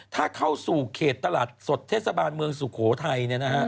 ถ้าเข้าสู่เขตตลาดสดเทศบาลเมืองสุโขทัย